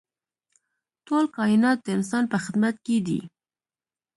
ټول کاینات د انسان په خدمت کې دي.